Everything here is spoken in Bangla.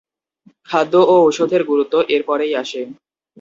খাদ্য ও ঔষধের গুরুত্ব এর পরেই আসে।